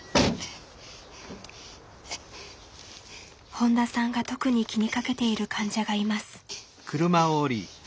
本田さんが特に気にかけている患者がいます。